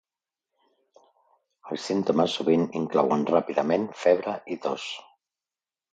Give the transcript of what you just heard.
Els símptomes sovint inclouen ràpidament febre i tos.